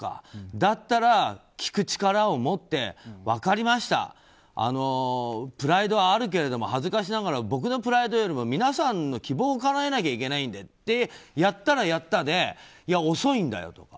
だったら聞く力を持って分かりましたプライドはあるけれども恥ずかしながら僕のプライドよりも皆さんの希望を叶えないといけないんだとやったらやったで、遅いんだよと。